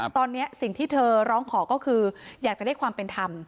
ตอนนี้สิ่งที่เธอร้องขอก็คืออยากจะได้ความเป็นธรรม